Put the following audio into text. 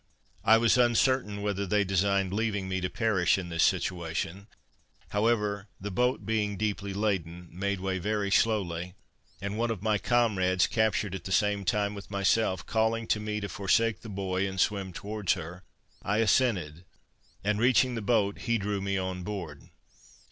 I was uncertain whether they designed leaving me to perish in this situation: however, the boat being deeply laden, made way very slowly, and one of my comrades, captured at the same time with myself, calling to me to forsake the buoy and swim towards her, I assented, and reaching the boat, he drew me on board.